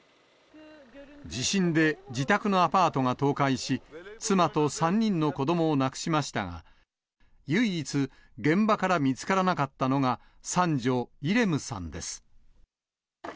地震で自宅のアパートが倒壊し、妻と３人の子どもを亡くしましたが、唯一、現場から見つからなかったのが、三女、イレムさんです。